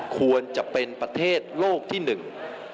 ควรจะเป็นประเทศโลกที่หนึ่ง